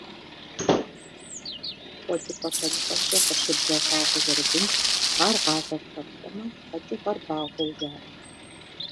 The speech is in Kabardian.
Къуэкӏыпӏэ лъэныкъуэмкӏэ къыщыблэ вагъуэ зэрыбынщ, ар гъавэм хэплъэмэ, къэкӏыгъэр багъуэу жаӏэ.